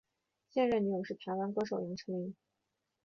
现任女友是台湾歌手杨丞琳。